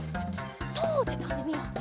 とうってとんでみよう。